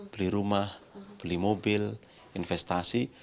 beli rumah beli mobil investasi